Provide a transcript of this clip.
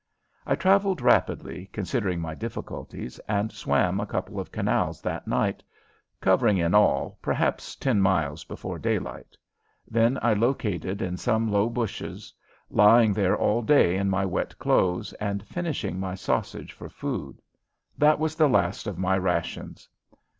I traveled rapidly, considering my difficulties, and swam a couple of canals that night, covering in all perhaps ten miles before daylight. Then I located in some low bushes, lying there all day in my wet clothes and finishing my sausage for food. That was the last of my rations.